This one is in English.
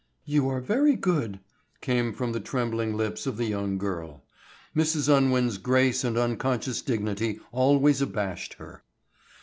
"You are very good," came from the trembling lips of the young girl. Mrs. Unwin's grace and unconscious dignity always abashed her.